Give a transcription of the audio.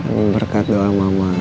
ambil berkat doa mama